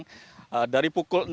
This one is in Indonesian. dari pukul enam pagi ke pukul tujuh pagi